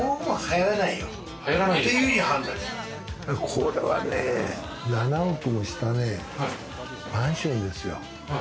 これはね、７億もしたね、マンションですよ。